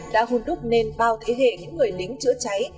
đã hôn đúc nên bao thế hệ những người lính chữa cháy